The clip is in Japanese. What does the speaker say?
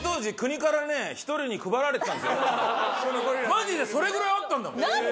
マジでそれぐらいあったんだもん。